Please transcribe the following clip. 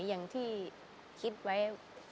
อย่างที่คิดไว้